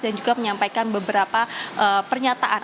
dan juga menyampaikan beberapa pernyataan